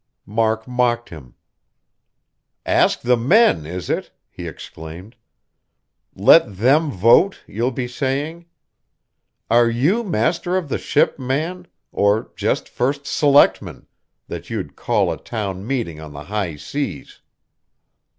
Mark mocked him. "Ask the men, is it?" he exclaimed. "Let them vote, you'll be saying. Are you master of the ship, man; or just first selectman, that you'd call a town meeting on the high seas?"